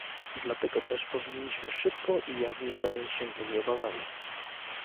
Dlatego też powinniśmy szybko i jawnie zająć się tymi obawami